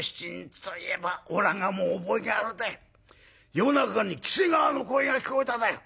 夜中に喜瀬川の声が聞こえただよ。